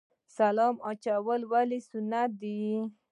سلام اچول ولې سنت دي؟